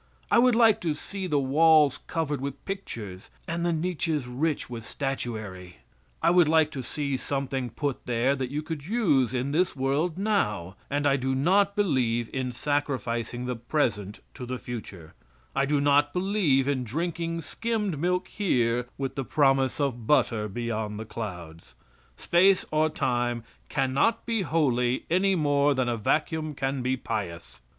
I would like to see the walls covered with pictures and the niches rich with statuary; I would like to see something put there that you could use in this world now, and I do not believe in sacrificing the present to the future; I do not believe in drinking skimmed milk here with the promise of butter beyond the clouds. Space or time can not be holy any more than a vacuum can be pious.